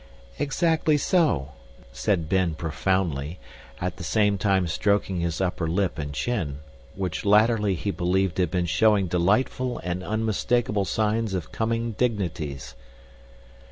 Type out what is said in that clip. "Exactly so," said Ben profoundly, at the same time stroking his upper lip and chin, which latterly he believed had been showing delightful and unmistakable signs of coming dignities.